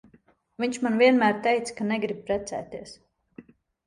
Viņš man vienmēr teica, ka negrib precēties.